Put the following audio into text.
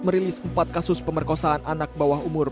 merilis empat kasus pemerkosaan anak bawah umur